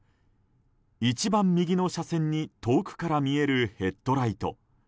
一番右の車線に遠くから見えるヘッドライト。